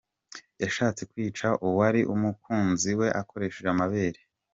Yashatse kwica uwari umukunzi we akoresheje amabere